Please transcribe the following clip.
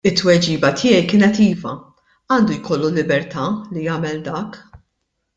It-tweġiba tiegħi kienet iva, għandu jkollu l-libertà li jagħmel dak.